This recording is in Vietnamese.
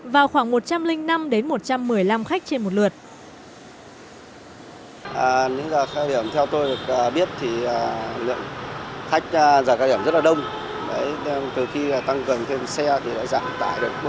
vào khoảng một trăm linh năm một trăm một mươi năm khách trên một lượt